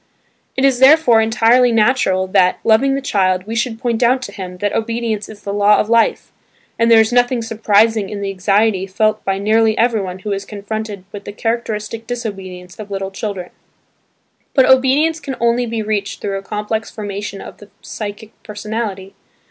It is therefore entirely natural that, loving the child, we should point out to him that obedience is the law of life, and there is nothing surprising in the anxiety felt by nearly everyone who is confronted with the characteristic disobedience of little children. But obedience can only be reached through a complex formation of the psychic personality.